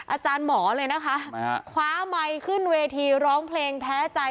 อาจารย์หมอเลยนะครับกว้าไมล์คลื่นเวทีร้องเผลอใจ